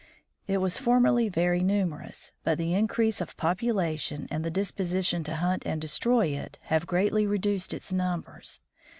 It was formerly very numerous, but the increase of population and the disposition to hunt and destroy it, have greatly reduced its numbers.